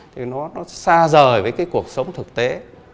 thì nó xa rời với cái cuộc sống thực tế